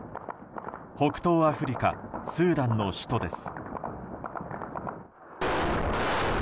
北東アフリカスーダンの首都です。